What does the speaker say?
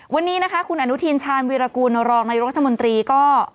วันนี้นะคะคุณอนุทินชาญวีรกูลรองนายรัฐมนตรีก็